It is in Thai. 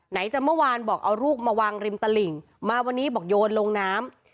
ไหนจะเมื่อวานบอกเอาลูกมาวางริมตลิ่งมาวันนี้บอกโยนลงน้ำ